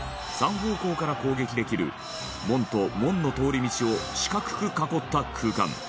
３方向から攻撃できる門と門の通り道を四角く囲った空間